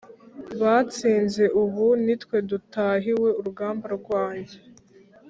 batsinze ubu nitwe dutahiwe. Urugamba rwanjye